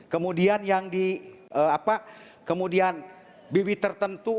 kemudian bibit tertentu